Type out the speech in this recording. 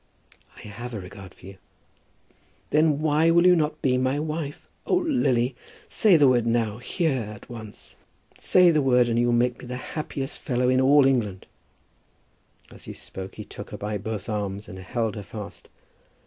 "I have a regard for you." "Then why will you not be my wife? Oh, Lily, say the word now, here, at once. Say the word, and you'll make me the happiest fellow in all England." As he spoke he took her by both arms, and held her fast.